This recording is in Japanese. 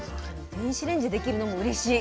電子レンジでできるのもうれしい。